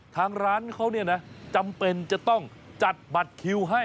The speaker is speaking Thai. ทางร้านเขาเนี่ยนะจำเป็นจะต้องจัดบัตรคิวให้